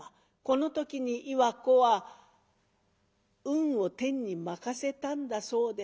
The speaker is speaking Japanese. この時に岩子は運を天に任せたんだそうです。